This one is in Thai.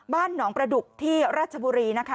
บ้านหนองประดุกที่ราชบุรีนะคะ